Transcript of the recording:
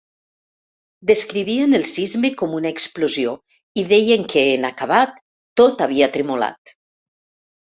Descrivien el sisme com una explosió i deien que, en acabat, tot havia tremolat.